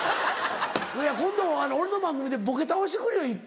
今度俺の番組でボケ倒してくれよ一遍。